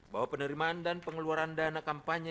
bahwa penerimaan dan pengeluaran dana kampanye